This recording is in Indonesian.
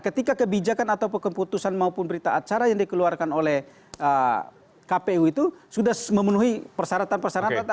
ketika kebijakan atau keputusan maupun berita acara yang dikeluarkan oleh kpu itu sudah memenuhi persyaratan persyaratan